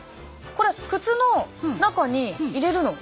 これ靴の中に入れるの。